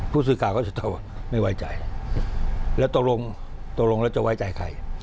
ผู้สื่อข่าวก็จะถามว่าไม่ไว้ใจแล้วตกลงตกลงแล้วจะไว้ใจใคร